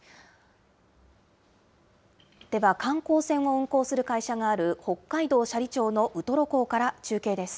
では、観光船を運航する会社がある北海道斜里町のウトロ港から中継です。